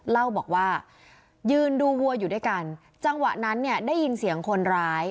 เล่าบอกว่ายืนดูวัวอยู่ด้วยกันจังหวะนั้นเนี่ยได้ยินเสียงคนร้าย